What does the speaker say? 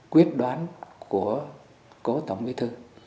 quyết đoán của cụ tổng bình thư